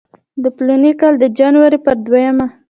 د فلاني کال د جنورۍ پر دویمه.